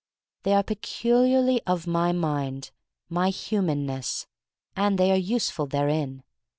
They are peculiarly of my mind, my humanness, and they are useful therein.